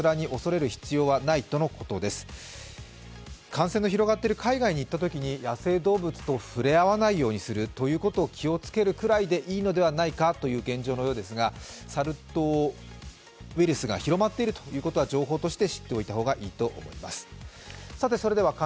感染の広がっている海外に行ったときに、野生動物と触れ合わないようにすることを気をつけるくらいでいいのではないかという現状のようですがサル痘ウイルスが広がっているということは、情報として知っておいた方がいいと思います。